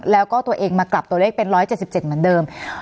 แล้วก็ตัวเองมากลับตัวเลขเป็น๑๗๗เหมือนเดิม